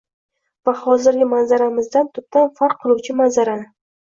va hozirgi manzaramizdan tubdan farq qiluvchi manzarani